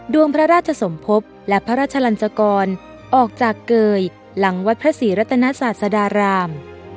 ดวงพระราชสมภพและพระราชลันจกรออกจากเกยหลังวัดพระศรีรัตนศาสดาราม